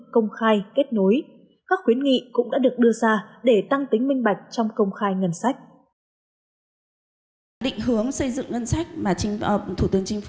công khai kết nối các khuyến nghị cũng đã được đưa ra để tăng tính minh bạch trong công khai ngân sách